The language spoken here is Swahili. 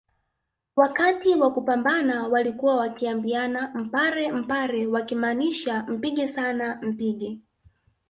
Wakati wa kupambana walikuwa wakiambiana mpare mpare wakimaanisha mpige sana mpige